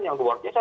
yang luar biasa